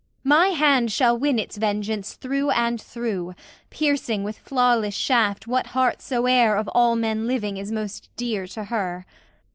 My hand shall win its vengeance through and through, Piercing with flawless shaft what heart soe'er Of all men living is most dear to Her.